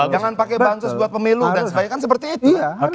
jangan pakai bansus buat pemilu dan sebagainya kan seperti itu